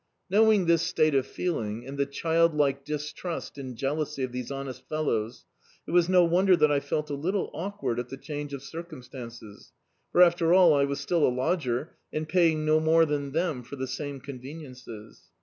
Knowing this state of feeling, and the child like distrust and jealousy of these honest fel lows, it was no wonder that I felt a little awkward at the change of circumstances; for, after all, I was still a lodger, and paying no more than them for die same conveniences.